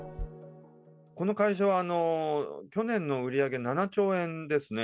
この会社は去年の売り上げ７兆円ですね。